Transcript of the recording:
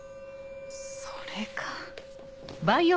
それか。